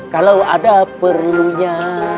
kalau ada perlunya